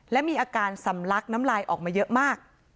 และมีอาการสำลักน้ำลายออกมาเยอะมาก